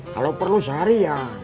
kalau perlu sehari ya